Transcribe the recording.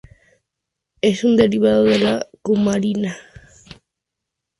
Es un derivado de la cumarina.